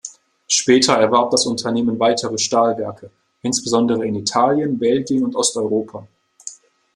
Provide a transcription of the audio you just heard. Später erwarb das Unternehmen weitere Stahlwerke, insbesondere in Italien, Belgien und Osteuropa.